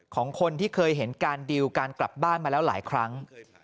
ของคนที่เคยเห็นการดิวการกลับบ้านมาแล้วหลายครั้ง